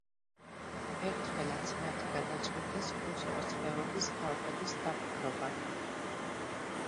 ერთხელაც, მათ გადაწყვიტეს კუსკოს ხეობის ხალხების დაპყრობა.